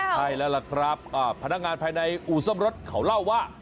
ใช่แล้วล่ะครับพนักงานภายในอู่ซ่อมรถเขาเล่าว่า